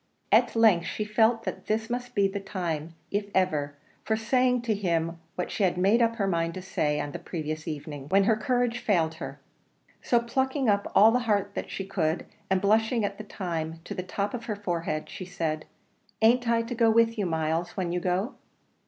At length she felt that this must be the time, if ever, for saying to him what she had made up her mind to say on the previous evening, when her courage failed her. So, plucking up all the heart she could, and blushing at the time to the top of her forehead, she said, "An't I to go with you, Myles, when you go?"